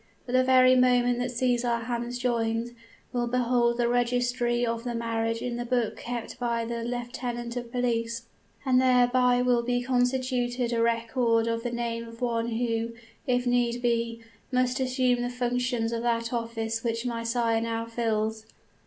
But the very moment that sees our hands joined, will behold the registry of the marriage in the book kept by the lieutenant of police; and thereby will be constituted a record of the name of one who, if need be, must assume the functions of that office which my sire now fills.'